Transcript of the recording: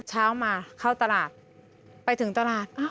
เช้ามาเข้าตลาดไปถึงตลาด